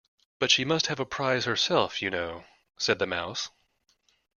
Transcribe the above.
‘But she must have a prize herself, you know,’ said the Mouse.